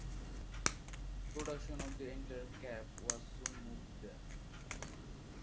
Production of the entire cab was soon moved there.